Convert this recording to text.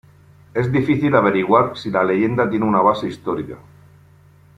Es difícil averiguar si la leyenda tiene una base histórica.